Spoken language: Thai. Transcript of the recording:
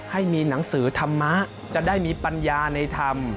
ให้มีหนังสือธรรมะจะได้มีปัญญาในธรรม